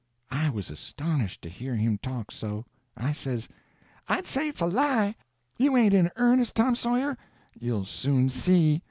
I was astonished to hear him talk so. I says: "I'd say it's a lie. You ain't in earnest, Tom Sawyer?" "You'll soon see.